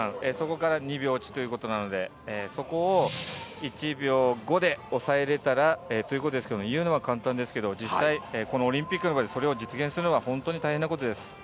そこから２秒落ちということなので、そこを１秒５で抑えれたらということですが、言うのは簡単ですが、実際オリンピックの場で実現するのは本当に大変なことです。